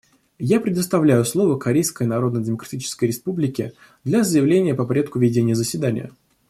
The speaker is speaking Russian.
Я предоставляю слово Корейской Народно-Демократической Республике для заявления по порядку ведения заседания.